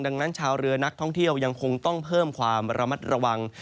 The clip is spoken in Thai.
ดังนั้นชาวเรือนักท่องเที่ยวยังคงต้องเพิ่มความระมัดระวัง